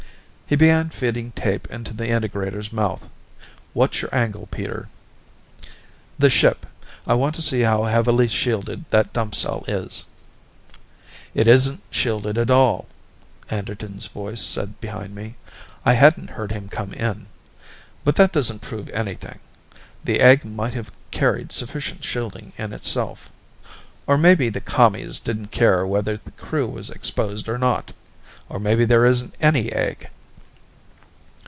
He began feeding tape into the integrator's mouth. "What's your angle, Peter?" "The ship. I want to see how heavily shielded that dump cell is." "It isn't shielded at all," Anderton's voice said behind me. I hadn't heard him come in. "But that doesn't prove anything. The egg might have carried sufficient shielding in itself. Or maybe the Commies didn't care whether the crew was exposed or not. Or maybe there isn't any egg."